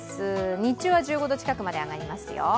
日中は１５度近くまで上がりますよ。